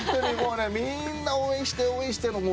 みんな応援して、応援して。